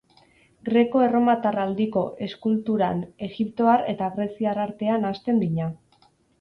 Greko-erromatar aldiko eskulturan egiptoar eta greziar artea nahasten dina.